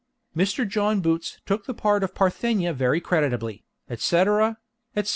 Mr. John Boots took the part of Parthenia very creditably, etc., etc.